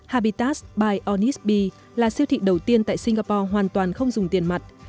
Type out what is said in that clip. habitat by onisbee là siêu thị đầu tiên tại singapore hoàn toàn không dùng tiền mặt